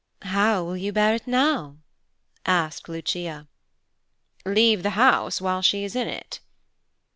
"How will you bear it now?" asked Lucia. "Leave the house while she is in it."